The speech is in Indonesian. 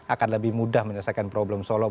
akan lebih mudah menyelesaikan problem solo